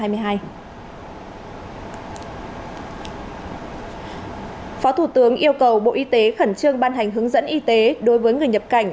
phó thủ tướng yêu cầu bộ y tế khẩn trương ban hành hướng dẫn y tế đối với người nhập cảnh